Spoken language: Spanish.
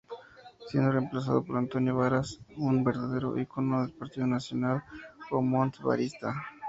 Siendo reemplazado por Antonio Varas, un verdadero icono del Partido Nacional o Montt-Varista.